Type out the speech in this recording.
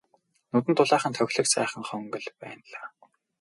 Нүдэнд дулаахан тохилог сайхан хонгил байлаа.